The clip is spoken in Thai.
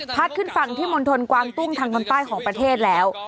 ขึ้นฝั่งที่มณฑลกวางตุ้งทางตอนใต้ของประเทศแล้ว